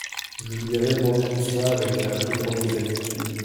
Je lui avais mandé tout cela avec la plus grande exactitude.